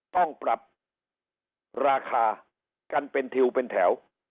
ต้องปรับราคากันเป็นทิวเป็นแถว